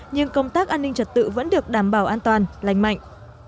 nhưng công tác an ninh trật tự vẫn được đảm bảo an toàn lành mạnh